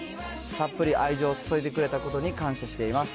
たっぷり愛情を注いでくれたことに感謝しています。